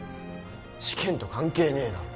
試験と関係ねえだろ